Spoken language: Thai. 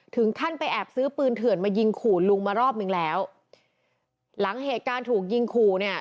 ถึงขั้นไปแอบซื้อปืนเถื่อนมายิงขู่ลุงมารอบหนึ่งแล้วหลังเหตุการณ์ถูกยิงขู่เนี่ย